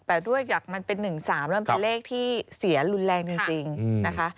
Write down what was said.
แต่ด้วยมันเป็น๑๓แล้วมันเป็นเลขที่เสียรุนแรงจริงนะคะ